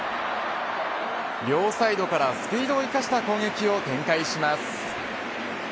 両サイドからスピードを生かした攻撃を展開します。